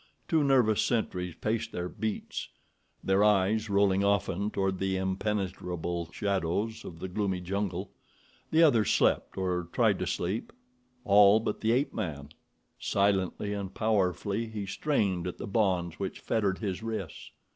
Two nervous sentries paced their beats, their eyes rolling often toward the impenetrable shadows of the gloomy jungle. The others slept or tried to sleep—all but the ape man. Silently and powerfully he strained at the bonds which fettered his wrists.